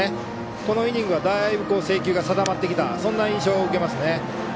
このイニングはだいぶ制球が定まってきたそんな印象を受けます。